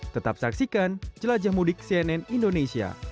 tetap saksikan jelajah mudik cnn indonesia